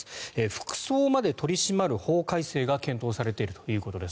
服装まで取り締まる法改正が検討されているということです。